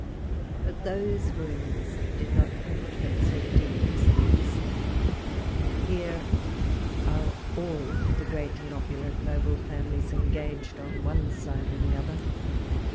But those woimds did not penetrate so deep as. these ! Here are all the groat, and opulent noble families engaged on one side or the other.